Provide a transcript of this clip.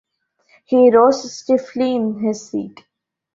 He rose stiffly in his seat.